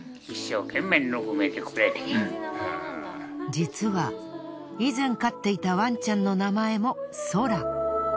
実は以前飼っていたワンちゃんの名前もソラ。